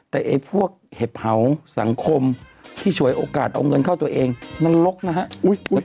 แต่ไอ้พวกเห็บเผาสังคมที่ฉวยโอกาสเอาเงินเข้าตัวเองมันลกนะฮะ